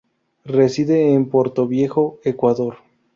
Reside en Portoviejo, Ecuador.